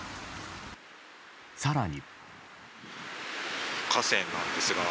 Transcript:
更に。